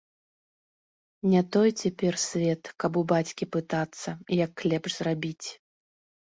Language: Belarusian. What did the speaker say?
Не той цяпер свет, каб у бацькі пытацца, як лепш зрабіць.